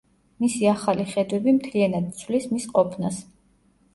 მისი ახალი ხედვები მთლიანად ცვლის მის ყოფნას.